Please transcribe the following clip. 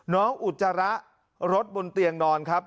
อุจจาระรถบนเตียงนอนครับ